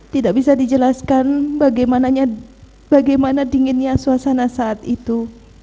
tidak bisa dijelaskan bagaimana dinginnya suasana saat itu